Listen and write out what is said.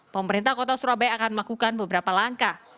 pemerintah kota surabaya akan melakukan beberapa langkah